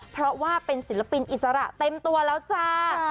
เพราะว่าเป็นศิลปินอิสระเต็มตัวแล้วจ้า